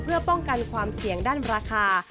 เพื่อป้องกันความเสี่ยงด้านราคา